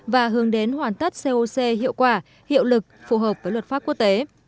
và hướng đến hoàn tất coc hiệu quả hiệu lực phù hợp với luật pháp quốc tế